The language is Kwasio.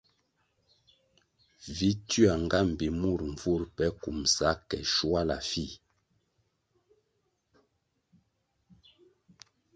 Vi tywia nga mbpi mur nvur pe kumbʼsa ke shuala fih.